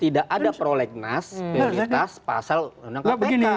dua ribu sembilan belas tidak ada prolegnas prioritas pasal undang undang kpk